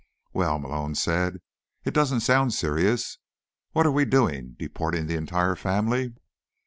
"Well," Malone said, "it doesn't sound serious. What are we doing, deporting the entire family?"